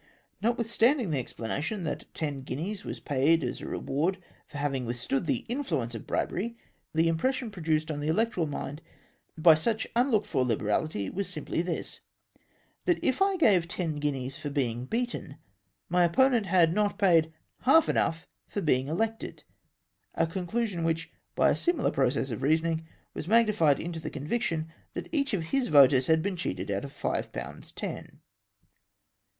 Notwithstanding the explanation that the ten guineas was paid as a reward BECOME A REFORMER. 181 for having withstood tlie influence of bribery, the im pression produced on the electoral mind by such un looked for hberality was simply this — that if I gave ten guineas for being beaten, my opponent had not paid half enough for being elected ; a conclusion which, by a similar process of reasoning, was magnified into the conviction that each of his voters had been cheated out of five pounds ten.